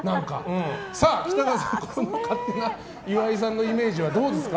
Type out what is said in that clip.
北川さん、こんな勝手な岩井さんのイメージはどうですか？